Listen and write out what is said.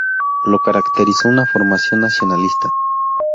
Lo caracterizó una formación nacionalista.